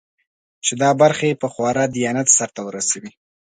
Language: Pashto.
چې دا برخې په خورا دیانت سرته ورسوي.